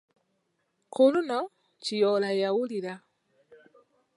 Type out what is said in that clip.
Ku luno Kiyoola yawulira.